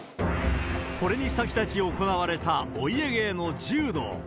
これに先立ち行われた、お家芸の柔道。